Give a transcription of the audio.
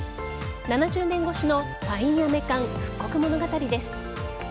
７０年越しのパインアメ缶、復刻物語です。